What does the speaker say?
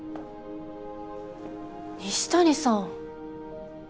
西谷さん。